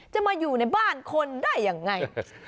จะมาอยู่ในบ้านคนได้ยังไง